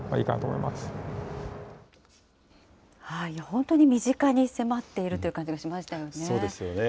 本当に身近に迫っているという感じがしましたよね。